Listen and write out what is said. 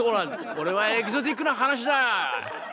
これはエキゾチックな話だ！